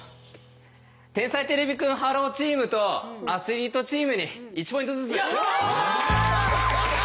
天才てれびくんｈｅｌｌｏ，チームとアスリートチームに１ポイントずつ。